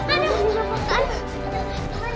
aduh kenapa kan